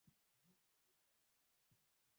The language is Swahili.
Mwizi alinikamata kwa shingo